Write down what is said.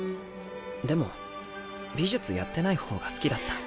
でも美術やってない方が好きだった。